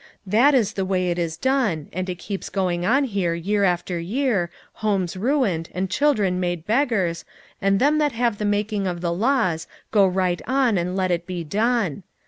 That is the way it is done, and it keeps going on here year after year, homes ruined, and children made beggars, and them that have the making of the laws, go right on and let it be done.